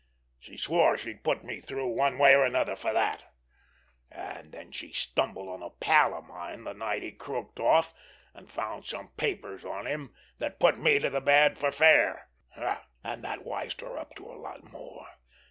She swore she'd put me through one way or another for that. And then she stumbled on a pal of mine the night he croaked off, and found some papers on him that put me to the bad for fair. And that wised her up to a lot more.